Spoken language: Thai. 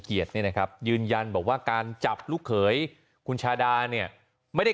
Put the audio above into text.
เกียรติเนี่ยนะครับยืนยันบอกว่าการจับลูกเขยคุณชาดาเนี่ยไม่ได้